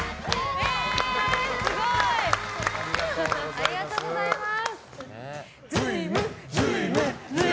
ありがとうございます。